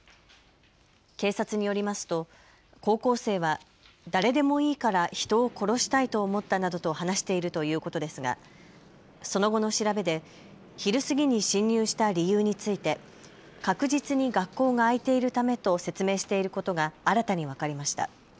警察によりますと高校生は誰でもいいから人を殺したいと思ったなどと話しているということですがその後の調べで昼過ぎに侵入した理由について確実に学校が開いているためと説明していることが新たに分かりました。